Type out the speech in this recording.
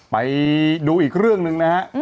ไปดูอีกเรื่องหนึ่งนะฮะ